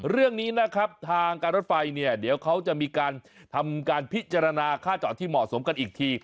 เรื่องนี้นะครับทางการรถไฟเนี่ยเดี๋ยวเขาจะมีการทำการพิจารณาค่าจอดที่เหมาะสมกันอีกที